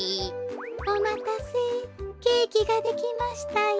おまたせケーキができましたよ。